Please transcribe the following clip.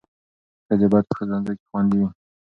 ښځې باید په ښوونځیو کې خوندي وي.